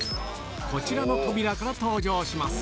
こちらの扉から登場します